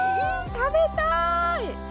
食べたい！